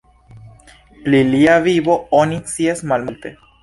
Pli lia vivo oni scias malmulte.